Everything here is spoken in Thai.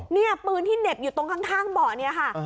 เนี่ยปืนที่เหน็บอยู่ตรงข้างเบาะเนี่ยค่ะ